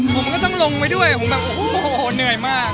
ผมก็ต้องลงไปด้วยผมแบบโอ้โหเหนื่อยมาก